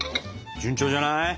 順調じゃない？